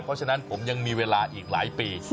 เพราะฉะนั้นผมยังมีเวลาอีกหลายปี